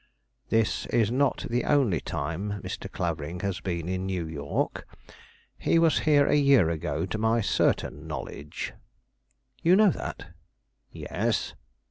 "This is not the only time Mr. Clavering has been in New York. He was here a year ago to my certain knowledge." "You know that?" "Yes."